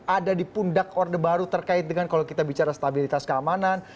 ada di pundak orde baru terkait dengan kalau kita bicara stabilitas keamanan